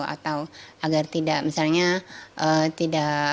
atau agar tidak misalnya tidak